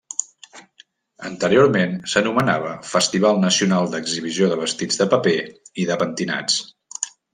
Anteriorment s'anomenava Festival Nacional d'Exhibició de Vestits de Paper i de Pentinats.